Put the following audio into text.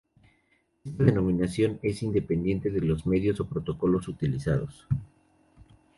Esta denominación es independiente de los medios o protocolos utilizados.